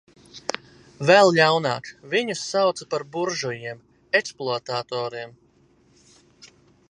Vēl ļaunāk, viņus sauca par buržujiem, ekspluatatoriem.